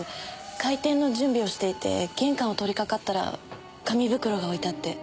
開店の準備をしていて玄関を通りかかったら紙袋が置いてあって。